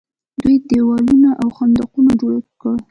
دوی دیوالونه او خندقونه جوړ کړي.